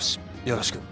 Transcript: よろしく。